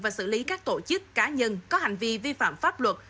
và xử lý các tổ chức cá nhân có hành vi vi phạm pháp luật